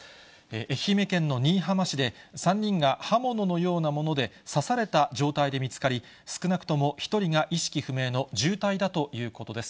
愛媛県の新居浜市で、３人が刃物のようなもので刺された状態で見つかり、少なくとも１人が意識不明の重体だということです。